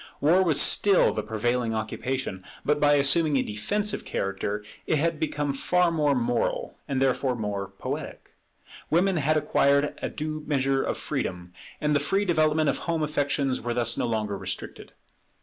War was still the prevailing occupation; but by assuming a defensive character, it had become far more moral, and therefore more poetic. Woman had acquired a due measure of freedom; and the free development of home affections were thus no longer restricted.